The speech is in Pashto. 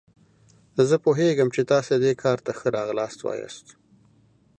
زه پوهیږم چې تاسو دې کار ته ښه راغلاست وایاست.